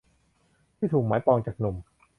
ที่ถูกหมายปองจากหนุ่ม